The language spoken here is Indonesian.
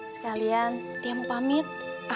sekalian tia mu pamit